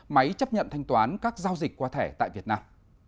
máy chấp nhận thanh toán các giao dịch qua thẻ tại việt nam